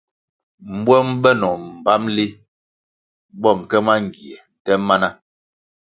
Mbuom benoh mbpamli bo nke mangie nte mana.